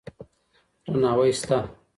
درناوی سته.